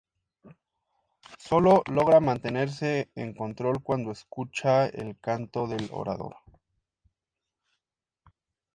Solo logra mantenerse en control cuando escucha el Canto del Orador.